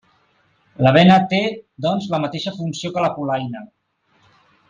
La bena té, doncs, la mateixa funció que la polaina.